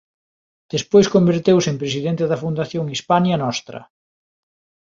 Despois converteuse en presidente da Fundación Hispania Nostra.